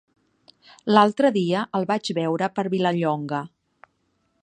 L'altre dia el vaig veure per Vilallonga.